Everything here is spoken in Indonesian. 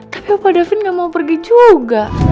tapi pak davin gak mau pergi juga